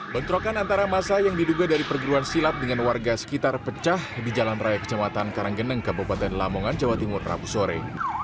bentrokan antara masa yang diduga dari perguruan silat dengan warga sekitar pecah di jalan raya kecamatan karanggeneng kabupaten lamongan jawa timur rabu sore